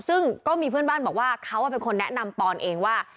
ซึ่งก็มีเพื่อนบ้านบอกว่าเขาเป็นคนแนะนำปอนเองว่า